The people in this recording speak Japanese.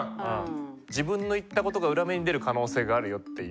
自分の言ったことが裏目に出る可能性があるよっていう。